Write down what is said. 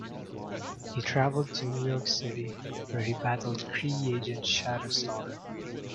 He traveled to New York City, where he battled Kree agent Shatterstar.